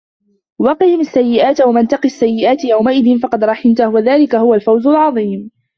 وَقِهِمُ السَّيِّئَاتِ وَمَن تَقِ السَّيِّئَاتِ يَومَئِذٍ فَقَد رَحِمتَهُ وَذلِكَ هُوَ الفَوزُ العَظيمُ